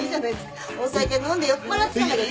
お酒飲んで酔っぱらってたから。